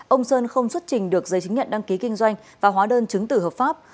ông sơn không xuất trình được giấy chứng nhận đăng ký kinh doanh và hóa đơn chứng tử hợp pháp